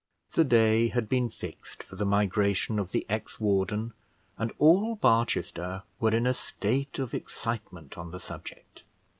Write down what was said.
The day had been fixed for the migration of the ex warden, and all Barchester were in a state of excitement on the subject.